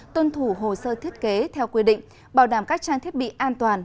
tuân thủ hồ sơ thiết kế theo quy định bảo đảm các trang thiết bị an toàn